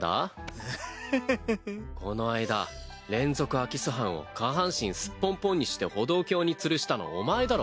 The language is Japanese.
ははこの間連続空き巣犯を下半身すっぽんぽんにして歩道橋につるしたのお前だろ